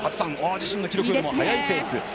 自身の記録より速いペース。